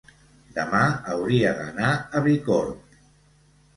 Demà hauria d'anar a Bicorb.